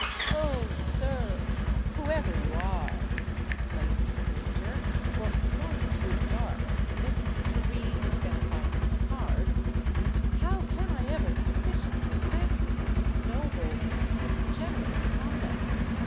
"Oh! sir—whoever you are," exclaimed the Major—for it was too dark to permit him to read his benefactor's card,—"how can I ever sufficiently thank you for this noble—this generous conduct?